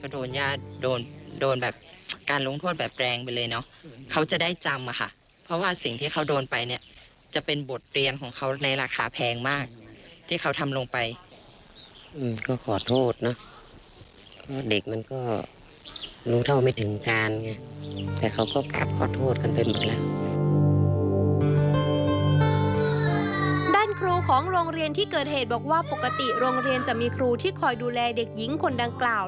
ด้านครูของโรงเรียนที่เกิดเหตุบอกว่าปกติโรงเรียนจะมีครูที่คอยดูแลเด็กหญิงคนดังกล่าว